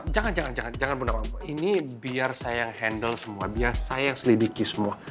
jangan jangan jangan bunda apa ini biar saya yang handle semua biar saya yang selidiki semua